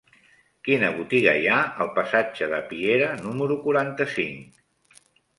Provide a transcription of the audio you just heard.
Quina botiga hi ha al passatge de Piera número quaranta-cinc?